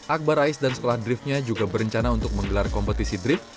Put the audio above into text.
akbar ais dan sekolah driftnya juga berencana untuk menggelar kompetisi drift